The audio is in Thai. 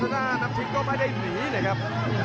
นับทิพย์ก็ไม่ได้หนีนะครับ